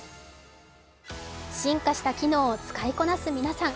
進化した機能を使いこなす皆さん。